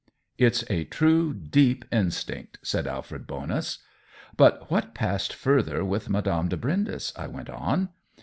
" It's a true, deep instinct," said Alfred Bonus. " But what passed further with Madame de Brindes ?" I went on.